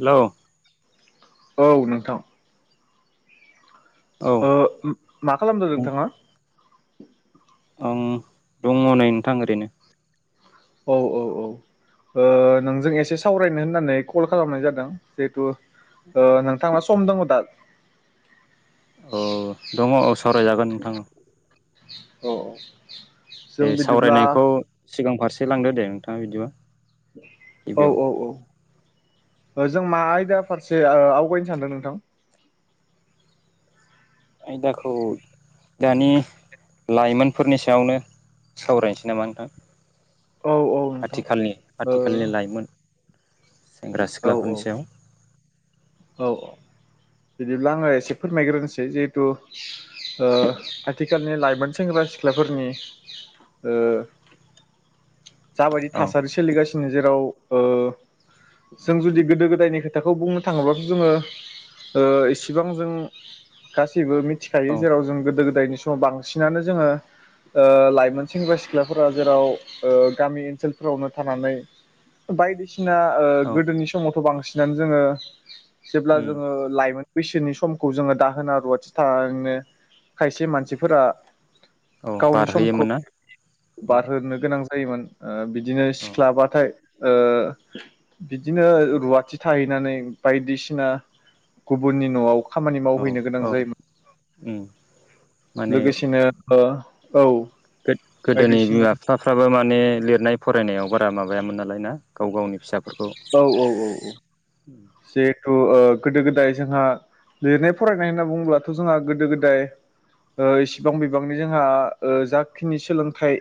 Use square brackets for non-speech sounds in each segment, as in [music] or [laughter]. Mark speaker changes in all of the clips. Speaker 1: Hello
Speaker 2: औ नोंथां।
Speaker 1: औ
Speaker 2: ओ मा खालामदों नोंथाङा?
Speaker 1: उम दङ नै नोंथां ओरैनो
Speaker 2: औ औ औ। ओ नोंजों एसे सावरायनो होननानै कल खालामनाय जादों जिहेथु ओ नोंथांआ सम दङ दा?
Speaker 1: औ दङ औ सावरायजागोन नोंथाङा
Speaker 2: औ
Speaker 1: दे
Speaker 2: जों बिदिब्ला
Speaker 1: सावरायनायखौ सिगां फारसे लांदो दे नोंथाङा बिदिबा
Speaker 2: औ
Speaker 1: गिबियाव
Speaker 2: औ औ। जों मा आयदा फारसे आवगायनो सानदों नोंथां।
Speaker 1: आयदाखौ दानि लाइमोनफोरनि सायावनो सावरायनोसै नामा नोंथां
Speaker 2: औ औ नोंथां
Speaker 1: आथिखालनि
Speaker 2: ओ
Speaker 1: आथिखालनि लाइमोन सेंग्रा
Speaker 2: औ
Speaker 1: सिख्लाफोरनि सायाव
Speaker 2: औ औ बिदिब्ला आङो एसे फोरमायग्रोनोसै जिहेथु ओ आथिखालनि लाइमोन सेंग्रा सेंग्रा सिख्लाफोरनि ओ जाबायदि
Speaker 1: औ
Speaker 2: थासारि सोलिगासिनो जेराव ओ जों जुदि गोदो गोदायनि खोथाखौ बुंनो थाङोब्लााथ' जोङो इसेबां जों गासैबो मिथिखायो
Speaker 1: औ
Speaker 2: जेराव जों गोदो गोदायनि समाव बांसिनानो जोङो लाइमोन सेंग्रा सिख्लाफोरा जेराव ओ गामि ओनसोलफोरावनो थानानै बायदिसिना ओ
Speaker 1: औ
Speaker 2: गोदोनि समावथ' बांसिन नानै जोङो जेब्ला
Speaker 1: उम
Speaker 2: जोङो लाइमोन बैसोनि समखौ जोङो दाहोना रुवाथि थांनो खायसे मानसिफोरा
Speaker 1: औ
Speaker 2: गावनि समखौ
Speaker 1: बारहयोमोनना
Speaker 2: बारहोनो गोनां जायोमोन बिदिनो
Speaker 1: औ
Speaker 2: सिख्लाबाथाय बिदिनो रुवाथि थाहैनानै बायदिसिना गुबुननि न'आव खामानि मावहैनो गोनां जायोमोन।
Speaker 1: उ
Speaker 2: लोगोसेनो औ
Speaker 1: गोदोनि
Speaker 2: बायदिसिना
Speaker 1: बिमा बिफाफ्राबो माने लिरनाय फरायनायाव बारा माबायामोन नालाय ना? गाव गावनि फिसाफोरखौ
Speaker 2: औ औ जिहेथु गोदो गोदाय जोंहा लिरनाय फरायनाय होनना बुङोब्लाथ' जोंहा गोदो गोदाय इसिबां बिबांनि जोंहा जाखिनि सोलोंथाइ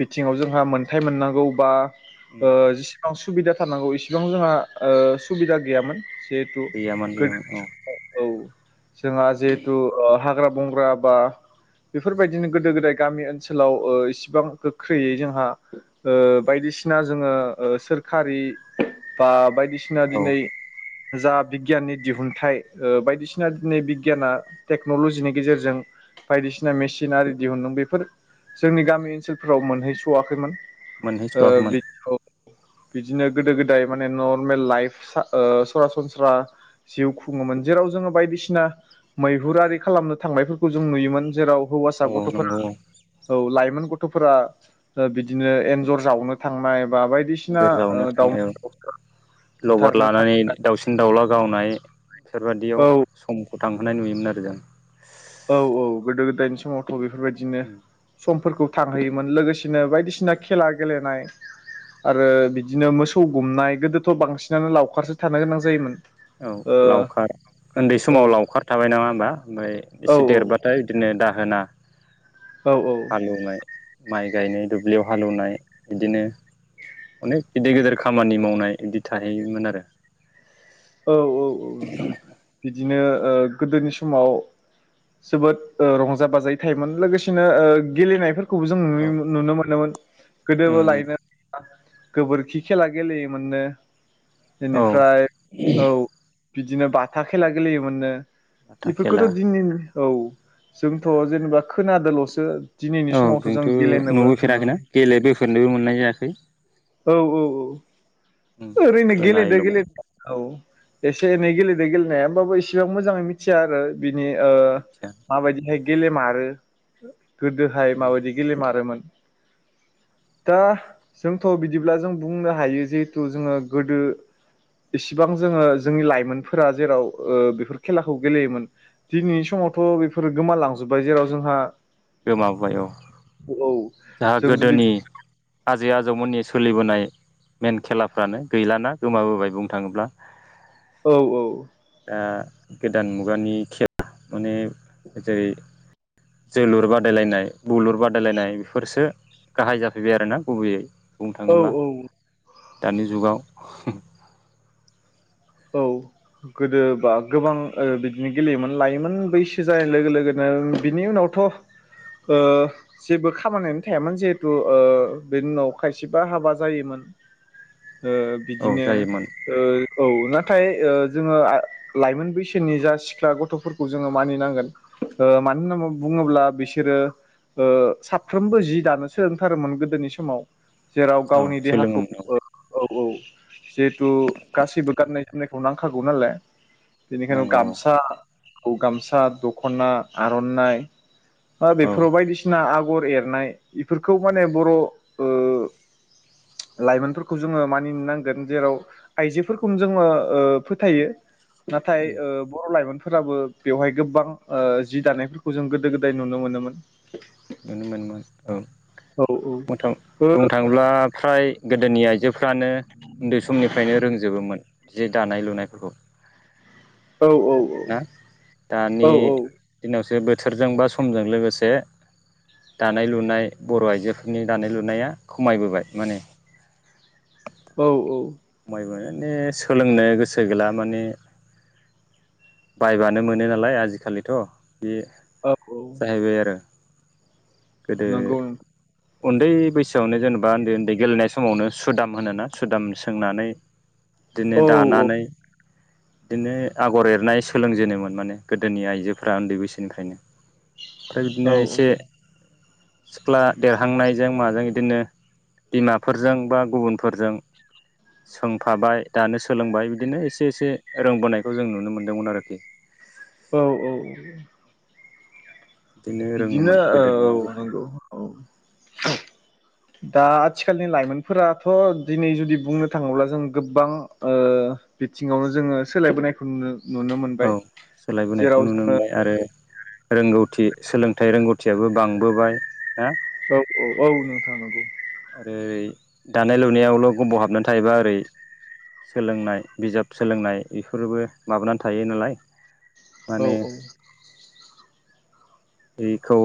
Speaker 2: बिथिङाव जोंहा मोनथाय मोननांगौ बा
Speaker 1: उम
Speaker 2: जेसेबां सुबिदा थानांगौ इसिबां जोंहा सुबिदा गैयामोन जेहथु
Speaker 1: गैयामोन गैयामोन औ
Speaker 2: औ जोंहा जिहेथु हाग्रा बंग्रा बा बेफोरबायदिनो गोदो गोदाय गामि ओनसोलाव इसिबां गोख्रैयै जोंहा बायदि बायदिसिना जोङ सोरकारि बा बाय बायदिसिना
Speaker 1: औ
Speaker 2: दिनै जा बिगियाननि दिहुनथाइ बायदिसिना दिनै बिगियाना टेक्न'लजिनि गेजेरजों बायदिसिना मेसिन आरि दिहुदों बेफोर जोंनि गामि ओनसोलफोराव मोनहैस'वाखैमोन ओ बे
Speaker 1: मोनहैस'वाखैमोन।
Speaker 2: बिदिनो गोदो गोदाय माने नर्मेल लाइफ सरासनस्रा जिउ बुङोमोन जेराव जोङो बायदिसिना मैहुरारि खालामनो थांनायफोरखौ जों नुयोमोन जेराव हौवासा
Speaker 1: औ
Speaker 2: गथ'फोरा
Speaker 1: नंगौ औ
Speaker 2: औ लाइभ गोबां गथ'फोरा ओ बिदिनो एनजर जावनो थांनाय बा बायदिसिना
Speaker 1: इन्जुर जावनो
Speaker 2: दाउम
Speaker 1: थांनाय औ
Speaker 2: द
Speaker 1: लबार लानानै दाउसिन दाउला गावनाय बेफोरबादियाव
Speaker 2: औ
Speaker 1: समखौ थांहोनाय नुयोमोन आरो जों
Speaker 2: औ औ गोदो गोदायनि समावथ' बेफोरबायदिनो
Speaker 1: उम
Speaker 2: समफोरखौ थांहोयोमोन लोगोसेनो बायदिसिना खेला गेलेनाय आरो बिदिनो मोसौ गुमनाय गोदोथ' बांसिनानो लावखारसो थानो गोनां जायोमोन।
Speaker 1: औ
Speaker 2: ओ
Speaker 1: लावखार उन्दै
Speaker 2: औ
Speaker 1: समाव लावखार थाबाय नामा होमबा ओमफ्राय।
Speaker 2: औ
Speaker 1: एसे देरबाथाय बिदिनो दाहोना
Speaker 2: औ औ
Speaker 1: हालेवनाय माइ गायनाय दुब्लियाव हालेवनाय बिदिनो अनेक गेदेर गेदेर खामानि मावनाय बिदि थाहैयोमोन आरो
Speaker 2: औ औ औ नोंथां बिदिनो गोदोनि समाव जोबोद रंजा बाजायै थायोमोन लोगोसेनो गेलेनाय खौबो जों
Speaker 1: औ
Speaker 2: नुनो मोनोमोन गोदोबो
Speaker 1: उम
Speaker 2: लायनो गोबोरखि खेला गेलेयोमोननो
Speaker 1: औ
Speaker 2: बेनिफ्राय औ बिदिनो बाथा खेला गेलेयोमोननो
Speaker 1: बाथा खेला
Speaker 2: इफोरखौथ' दिननि औ जोंथ' जेनेबा खोनादोंल'सो दिनैनि
Speaker 1: औ
Speaker 2: समावथ' जों
Speaker 1: जोंथ'
Speaker 2: गेलेनोबो
Speaker 1: नुबोफेराखैना गेलेबोफेरनोबो मोननाय जायाखै
Speaker 2: औ औ
Speaker 1: उम
Speaker 2: औ ओरैनो गेलेदो
Speaker 1: खोनायोल'मोन
Speaker 2: गेलेद औ एसे एनै गेलेदों गेलेनाया होमबाबो इसेबां मोजाङै मिथिया आरो बिनि
Speaker 1: मिथिया
Speaker 2: माबायदिहाय गेलेमारो गोदोहाय
Speaker 1: उम
Speaker 2: माबायदि गेलेमारोमोन? दा जोंथ' बिदिब्ला जों बुंनो हायो जे खौ जोङो गोदो इसिबां जोङो जोंनि लाइमोनफोरा जेराव ओ बेफोर खेलाखौ गेलेयोमोन दिनै समाव थ' बेफोर गोमालांजोबबाय जेराव जोंहा
Speaker 1: गोमाबाय औ
Speaker 2: औ
Speaker 1: दा
Speaker 2: जों जुदि
Speaker 1: गोदोनि आजै आजौमोननि सोलिबोनाय मेन खेलाफ्रानो गैलाना गोमाबोबाय बुंनो थाङोब्ला।
Speaker 2: औ औ।
Speaker 1: [unintelligible] गोदान मुगानि खेला माने जेरै जोलुर बादायलायनाय बुलुर बादायलायनाय बेफोरसो गाहाय जाफैबाय आरोना गुबैयै बुंनो
Speaker 2: औ
Speaker 1: थाङोब्ला
Speaker 2: औ।
Speaker 1: दानि जुगाव
Speaker 2: औ गोदो बा गोबां ओ बिदिनो गेलेयोमोन लायमोन बैसो जानाय लोगो लोगोनो ओम बिनि उनावथ' ओ जेबो खामानियानो थायामोन जिहेथु ओ बेनि उनाव खायसेबा हाबा जायोमोन। ओ
Speaker 1: औ
Speaker 2: बिदिनो
Speaker 1: जायोमोन
Speaker 2: ओ औ ना थाय ओ जोङो आ लाइमोन बैसोनि जा सिख्ला गथ'फोरखौ जोङो मानिनांगोन ओ मानो होन्ना [unintelligible] बुङोब्ला बिसोरो ओ साबफ्रोमबो जि दानो सोलोंथारोमोन गोदोनि समाव जेराव
Speaker 1: औ
Speaker 2: गावनि देहाखौ
Speaker 1: सोलोङोमोन औ
Speaker 2: ओ औ औ जिहेथु गासैबो गाननाय जोमनायखौ नांखागौ नालाय बेनिखायनो
Speaker 1: नांगौ औ
Speaker 2: गामसाखौ गामसा, दख'ना, आर'नाइ बा
Speaker 1: औ
Speaker 2: बेफोराव बायदिसिना आग गर एरनाय इफोरखौ माने बर' ओ लाइमोनफोरख खौ जोङो मानिनो नांगोन जेराव आइजोफोरखौनो जोङो ओ फोथायो। नाथाय ओ बर' लाइमोन फ फोराबो बेवहाय गोबां ओ जि दानायफोरखौ जों गोदो गोदाय नुनो मोनोमोन।
Speaker 1: नुनो मोनोमोन औ।
Speaker 2: औ [unintelligible]
Speaker 1: [unintelligible] बुंनो थाङोब्ला फ्राय गोदोनि आइजोफ्रानो उन्दै समनिफ्रायनो रोंजोबोमोन जि दानाय लुनायफोरखौ।
Speaker 2: औ औ औ।
Speaker 1: ना दानि
Speaker 2: औ औ
Speaker 1: दिनावसो बोथोरजों बा समजों लोगोसे दानाय लुनाय बर' आइजोफोरनि दानाय लुनाया खमायबोबाय माने
Speaker 2: [inaudible]
Speaker 1: माने सोलोंनो गोसो गैला माने बायबानो मोनो नालाय आजिखालिथ' बे
Speaker 2: औ औ
Speaker 1: जाहैबाय आरो गोदो
Speaker 2: नंगौ नोंथ [unintelligible]
Speaker 1: उन्दै बैसोआवनो जेनेबा उन्दै उन्दै गेलेनाय समावनो सुदाम होनोना सुदाम सोंनानै
Speaker 2: औ
Speaker 1: दिनो दानानै
Speaker 2: [inaudible]
Speaker 1: दिनो आगर एरनाय सोलोंजेनोमोन माने गोदोनि आइजोफ्रा ओन्दै बैसोनिफ्रायनो ओमफ्राय
Speaker 2: औ
Speaker 1: बिदिनो एसे सिख्ला देरहांनायजों माजों इदिनो बिमाफोरजों बा गुबुनफोरजों
Speaker 2: [inaudible]
Speaker 1: सोंफाबाय दानो सोलोंबाय बिदिनो एसे एसे रोंबोनायखौ जों नुनो मोनदोंमोन आरोखि।
Speaker 2: औ औ औ। बिदिनो
Speaker 1: रोङोमोन
Speaker 2: ओ
Speaker 1: गोदोनि
Speaker 2: औ
Speaker 1: आइजोफ्रा
Speaker 2: नंगौ औ। दा आथिखालनि लाइमोनफोराथ' दिनै जुदि बुंनो थाङोब्ला जों गोबां ओ बिथिङावनो जोङो सोलायबोनायखौ नुनो नुनो
Speaker 1: औ
Speaker 2: मोनबाय
Speaker 1: सोलायबोनायखौ
Speaker 2: जेराव
Speaker 1: नुनो
Speaker 2: जोङो
Speaker 1: मोनबाय आरो रोंगौथि सोलोंथाइ रोंगौथियाबो बांबोबाय ना
Speaker 2: औ औ औ नोंथां नंगौ
Speaker 1: ओरै दानाय लुनायावल' गब' हाबनानै थायोबा ओरै सोलोंनाय बिजाब सोलोंनाय इफोरबो माबानानै थायो नालाय।
Speaker 2: औ
Speaker 1: माने
Speaker 2: औ
Speaker 1: [unintelligible] खौ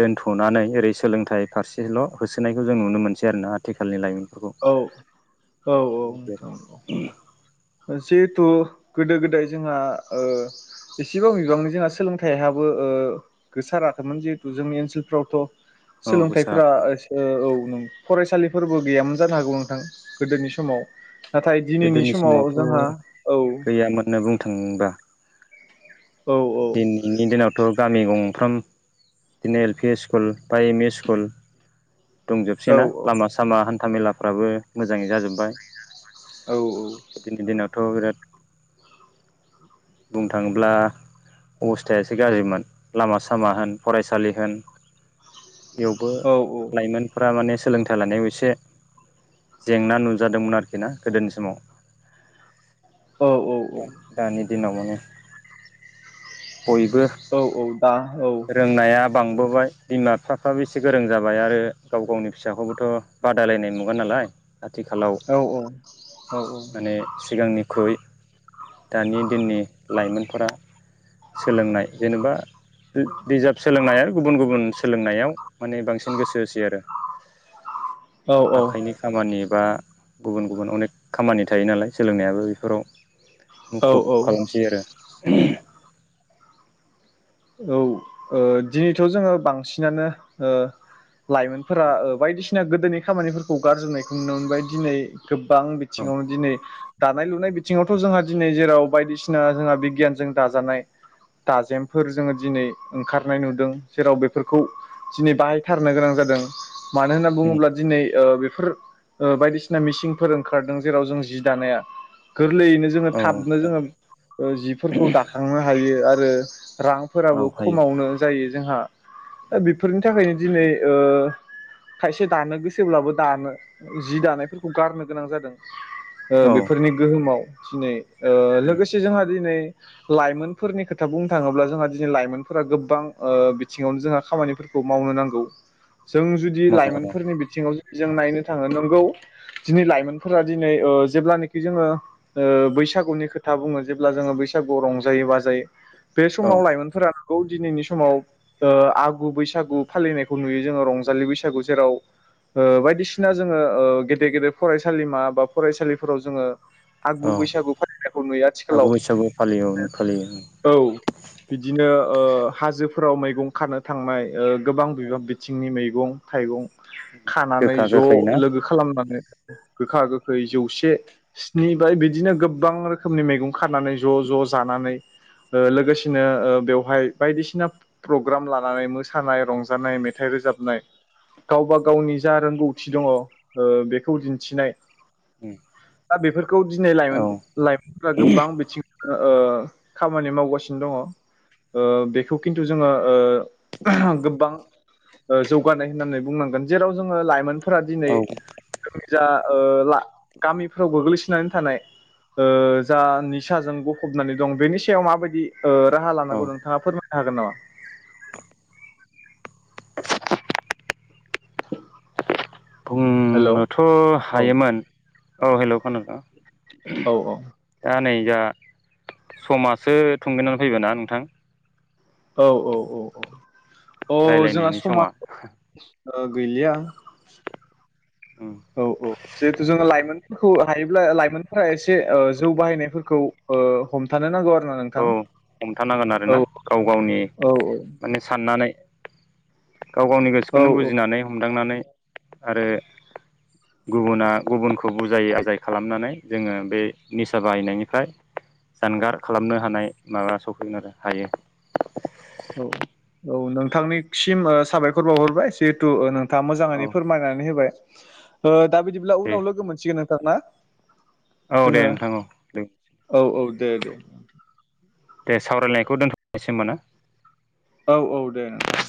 Speaker 1: दोनथ'नानै ओरै सोलोंथाइ फारसेल' होसोनायखौ जों नुनो मोनसै आरोना आथिख खालनि लायमोन
Speaker 2: औ औ औ नोंथां ओ जित थ' गोदो गोदाय जोंहा ओ एसेबां बिबांनि जोंहा सोलोंथाइयाबो ओ गोसाराखैमोन जिहेतु जोंनि ओनसोलफ्रावथ'
Speaker 1: औ गोसा
Speaker 2: सोलोंथाइफोरा औ नों फरायसालिफोरबो गैयामोन [unintelligible] जानो हागौ नोंथां गोदोनि समाव नाथाय दिनैनि
Speaker 1: गोदोनि
Speaker 2: समाव
Speaker 1: समावथ'
Speaker 2: जोंहा औ
Speaker 1: गैयामोननो बुंनो थांबा
Speaker 2: औ औ
Speaker 1: दिनैनि दिनावथ' गामि गंफ्राम the L P school primary school
Speaker 2: औ दा औ
Speaker 1: दंजोबसै नना लामा सामा हान्था मेलाफ्राबो मोजाङै जाजोब्बाय।
Speaker 2: औ औ
Speaker 1: थ' बिराद बुंनो थाङोब्ला अबस्थाया एसे गाज्रिमोन लामा सामा होन फरायसालि होन बेवबो लाइमोनफोरा माने सोलोंथाइ लानायाव एसे जेंना नुजादोंमोन आरखि ना गोदोनि समाव दानि दिनाव माने बयबो
Speaker 2: दा औ
Speaker 1: रोंनाया बांबोबाय बिमा बिफाफ्राबो एसे गोरों जाबाय आरो गाव गावनि फिसाखौबोथ' बादायलायनाय मुगा नालाय आथिखालाव माने सिगांनिख्रुइ दानि दिननि लाइमोनफोरा सोलोंनाय जेनेबा बिजाब सोलोंनाय आरो गुबुन गुबुन सोलोंनायाव माने बांसिन गोसो होसै आरो
Speaker 2: औ
Speaker 1: आखाइनि खामानि बा गुबुन गुबुन अनेक खामानि थायो नालाय सोलोंनायाबो बेफोराव
Speaker 2: औ
Speaker 1: मुखुब खालामसै आरो
Speaker 2: औ ओ दिनैथ' जोङो बांसिनानो ओ लाइमोनफोरा ओ बायदिसिना गोदोनि खामानिफोरखौ गारज्रिनायखौ नुनो मोनबाय दिनै गोबां बिथिङावनो दिनै दानाय लुनाय बि थिङावथ' जोंहा दिनै जेराव बायदिसिना जोंहा बिगियानजों दाजानाय दाजेम फोर जोङो दिनै ओंखारनाय नुदों जेराव बेफोरखौ दिनै बाहायथारनो गोनां जादों। मानो होनना बुङोब्ला दिनै ओ फोर बायदिसिना मिसिंफोर ओंखारदों जेराव जों जि दानाया गोरलैयैनो जोङो
Speaker 1: औ
Speaker 2: थाबनो जोङो जिफोरखौ दाखांनो हायो आरो
Speaker 1: औ
Speaker 2: रांफोराबो
Speaker 1: हायो
Speaker 2: खमावनो जायो जोंहा बेफोरनि थाखायनो दिनै ओ खायसे दानो गोसोब्लाबो दानो जि दानायफोरखौ गारनो गोनां जादों। ओ
Speaker 1: औ
Speaker 2: बेफोरनि गोहोमाव दिनै ओ लोगोसे जोंहा दिनै लाइमोनफोरनि खोथा बुंनो थाङोब्ला जोंहा दिनै लाइमोनफोरा गोबां ओ बिथिङावनो जोंहा खामानिफोरखौ मावनो नांगौ। जों जुदि
Speaker 1: मावनांगौ
Speaker 2: लाइमोनफोरनि बिथिङाव जों नायनो थाङो नोंगौ दिनै लाइमोनफोरा दिनै ओ जेब्लानखि जोङो ओ बैसागुनि खोथा बुङो जेब्ला जोङो बै बैसागु रंजायो बाजायो बे
Speaker 1: औ
Speaker 2: समाव लाइमोनफोरा दिनैनि समाव ओ आगु बैसागु फालिनायखौ नुयो जोङो रंजालि बैसागु जेराव ओ बायदिसिना जोङो ओ गेदेर गेदेर फरायसालिमा बा फरायसालिफोराव जोङो आगु
Speaker 1: औ
Speaker 2: बैसागु फालिनायखौ नुयो
Speaker 1: आगु
Speaker 2: आथिखालाव
Speaker 1: बैसागु फालियो औ फालियो
Speaker 2: औ दिनो ओ हाजोफोराव मैगं खारानो थांनाय ओ गोबां
Speaker 1: औ
Speaker 2: बिबां बिथिंनि मै गं थाइगं खानानै
Speaker 1: गोखा
Speaker 2: ज'
Speaker 1: गोखै ना
Speaker 2: लोगो खालामनानो गोखा गोखै जौसे स्नि बाय बिदिनो गोबां रोखोमनि मैगं खानानै ज' ज' जाना नै लोगोस दिनो ओ बेवहाय बायदिसिना प्रग्राम लानानै मोसानाय रंजानाय मेथाइ रोजाबनाय गावबा गावनि जा रोंगौथि दङ ओ बेखौ दिन्थिनाय
Speaker 1: उ।
Speaker 2: बा बेफोरखौ दिनै लाइमोन-लाइमोनफोरा गोबां बिथिङावनो ओ खामानि मावगासिन जों दङ ओ बेखौ खिन्थु जोङो ओ गोबां ओ जौगानाय होननानै बुंनांगोन जेराव जोङो लाइमोनफोरा
Speaker 1: औ
Speaker 2: दिनै [unintelligible] जा ओ ला गामिफ्राव गोग्लैसोनानै थानाय ओ जा निसाजों गफबनानै दं बेनि सायाव माबादि ओ राहा
Speaker 1: औ
Speaker 2: लानांगौ नोंथाङा फोरमायनो हागोन नामा?
Speaker 1: [inaudible] [inaudible]
Speaker 2: [unintelligible] हेलौ
Speaker 1: बुंनोथ'
Speaker 2: औ
Speaker 1: हायोमोन औ हेल' खोनादों।
Speaker 2: औ
Speaker 1: दा नै या समासो थुंगिनां फैबाय ना नोंथां।
Speaker 2: औ औ औ अ औ जोंहा समा ओ गैलिया औ औ जेहेथु जोङो लाइमोन खौ हायोब्ला लाइमोनफ्रा एसे ओ जौ बाहायनायफोरखौ ओ हमथानो नांगौ आर
Speaker 1: अ हमथानांगोन आरोना गाव गावनि
Speaker 2: औ
Speaker 1: माने साननानै गाव गावनि
Speaker 2: औ
Speaker 1: गोसोखौनो बुजिनानै हमदांनानै आरो गुबुना गुबुनखौ बुजाय आजाय खालामनानै जोङो बे निसा बाहायनायनिफ्राय जानगार खालामनो हानाय माबा सफैगोन आरो हायो।
Speaker 2: औ औ नोंथांनिसिम ओ साबायखर बावहरबाय जिहेथु ओ नों थाङा
Speaker 1: औ
Speaker 2: मोजाङैनो फोरमायनानै होबाय ओ दा बिदिब्ला
Speaker 1: दे
Speaker 2: उनाव लोगो मोनसिगोन नोंथां ना?
Speaker 1: औ दे
Speaker 2: जोङो
Speaker 1: नोंथां औ दे
Speaker 2: औ औ दे दे।
Speaker 1: दे सावरायलायखौ दोनथ'नोसै होमबा ना?
Speaker 2: औ औ दे नोंथां।